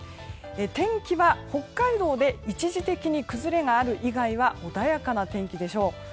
天気は北海道で一時的に崩れがある以外は穏やかな天気でしょう。